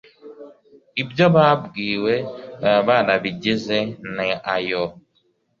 ibyo babwiwe baba barabigize ni ayo